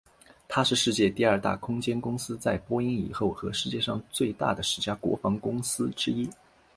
它是世界第二大空间公司在波音以后和世界上最大的十家国防公司之一。